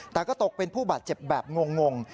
แต่ก็ตกเป็นผู้บาดเจ็บแบบงง